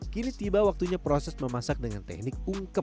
kini tiba waktunya proses memasak dengan teknik ungkep